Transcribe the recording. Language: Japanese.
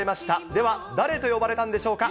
では、誰と呼ばれたんでしょうか。